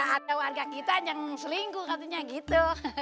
ada warga kita yang selingkuh katanya gitu